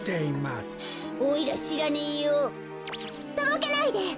すっとぼけないで。